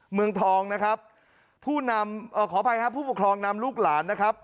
เมืองทองนะครับผู้นำเอ่อขออภัยครับผู้ปกครองนำลูกหลานนะครับ